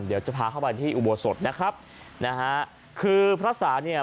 เดี๋ยวจะพาเข้าไปที่อุโบสถนะครับนะฮะคือพระสาเนี่ย